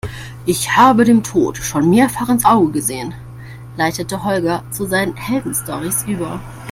Ich habe dem Tod schon mehrfach ins Auge gesehen, leitete Holger zu seinen Heldenstorys über.